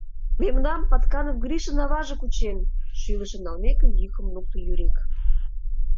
— Мемнам Патканов Гришын аваже кучен! — шӱлышым налмеке, йӱкым лукто Юрик.